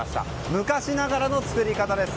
昔ながらの作り方です。